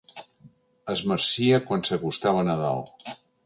Es marcia quan s'acostava Nadal.